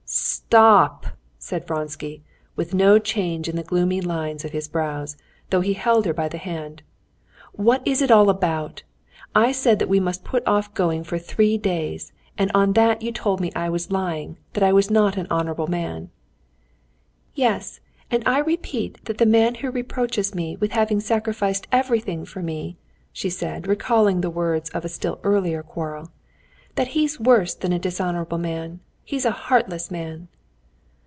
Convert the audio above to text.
sto op!" said Vronsky, with no change in the gloomy lines of his brows, though he held her by the hand. "What is it all about? I said that we must put off going for three days, and on that you told me I was lying, that I was not an honorable man." "Yes, and I repeat that the man who reproaches me with having sacrificed everything for me," she said, recalling the words of a still earlier quarrel, "that he's worse than a dishonorable man—he's a heartless man."